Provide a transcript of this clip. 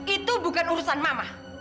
itu bukan urusan mama